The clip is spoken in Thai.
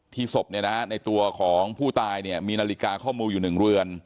ที่ศพเนี่ยนะในตัวของผู้ตายเนี่ยมีนาฬิกาเข้ามืออยู่๑เรือน